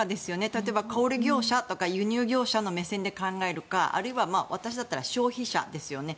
例えば、小売業者とか輸入業者の目線で考えるかあるいは私だったら消費者ですよね。